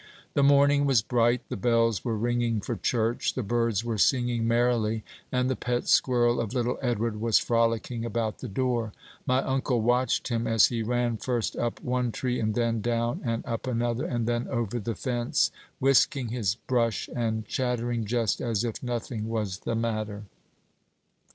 The morning was bright, the bells were ringing for church, the birds were singing merrily, and the pet squirrel of little Edward was frolicking about the door. My uncle watched him as he ran first up one tree, and then down and up another, and then over the fence, whisking his brush and chattering just as if nothing was the matter.